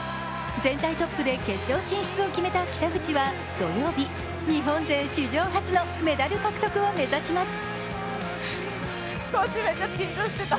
全体トップで決勝進出を決めた北口は土曜日、日本勢史上初のメダル獲得を目指します。